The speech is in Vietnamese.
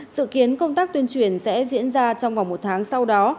sự kiến công tác tuyên truyền sẽ diễn ra trong vòng một tháng sau đó